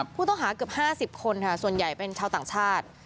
ผู้ต้องหาเกือบ๕๐คนค่ะส่วนใหญ่เป็นชาวต่างชาติ